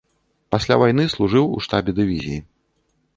Пасля вайны служыў у штабе дывізіі.